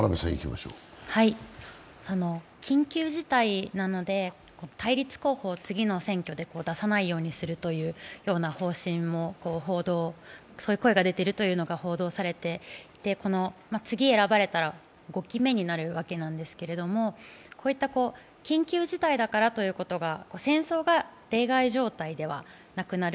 緊急事態なので、対立候補を次の選挙で出さないようにするというような方針も報道されていて次に選ばれたら５期目になるわけですけれども、緊急事態だからということが、戦争が例外状態ではなくなる。